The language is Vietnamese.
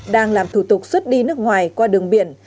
đang làm thủ tục xuất đi nước ngoài qua đường biển